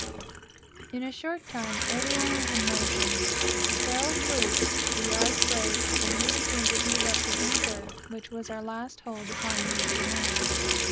In a short time every one was in motion, the sails loosed, the yards braced, and we began to heave up the anchor, which was our last hold upon Yankee land.